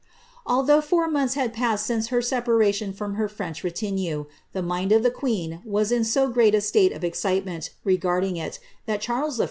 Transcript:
Although four months had passed since her separation from her French retinrie, the mind of the queen was in so great a state of excitement re garding it, that Charles I.